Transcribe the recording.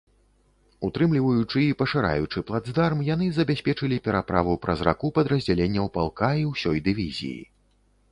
Утрымліваючы і пашыраючы плацдарм, яны забяспечылі пераправу праз раку падраздзяленняў палка і ўсёй дывізіі.